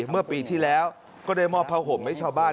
เมื่อปีที่แล้วก็ได้มอบผ้าห่มให้ชาวบ้าน